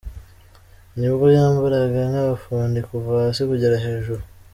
Nibwo yambaraga nk’abafundi kuva hasi kugera hejuru.